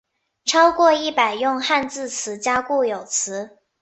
超过一百用汉字词加固有词。